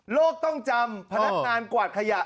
ต้องจำพนักงานกวาดขยะ